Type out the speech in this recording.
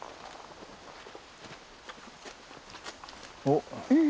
おっ！